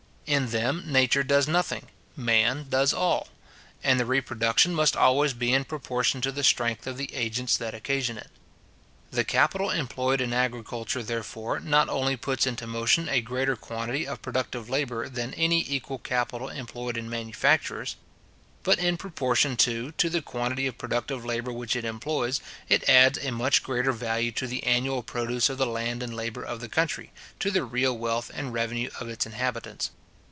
In them Nature does nothing; man does all; and the reproduction must always be in proportion to the strength of the agents that occasion it. The capital employed in agriculture, therefore, not only puts into motion a greater quantity of productive labour than any equal capital employed in manufactures; but in proportion, too, to the quantity of productive labour which it employs, it adds a much greater value to the annual produce of the land and labour of the country, to the real wealth and revenue of its inhabitants.